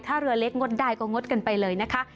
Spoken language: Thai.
ถ้าเรือเล็กงดได้ก็งดกันไปเลยนะคะ